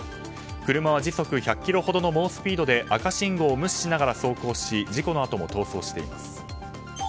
車は時速１００キロほどの猛スピードで赤信号を無視しながら走行し事故のあとも逃走しています。